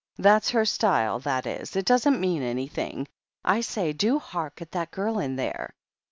"That's her style, that is. It doesn't mean anything. I say, do hark at that girl in there